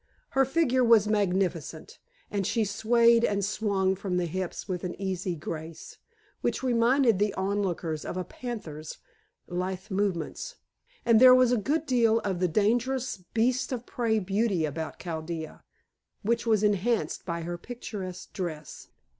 Her figure was magnificent, and she swayed and swung from the hips with an easy grace, which reminded the onlookers of a panther's lithe movements. And there was a good deal of the dangerous beast of prey beauty about Chaldea, which was enhanced by her picturesque dress.